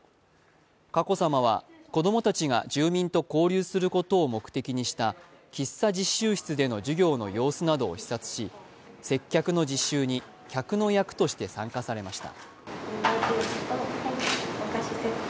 佳子さまは子供たちが住民と交流することを目的にした喫茶実習室での授業の様子などを視察し接客の実習に客の役として参加されました。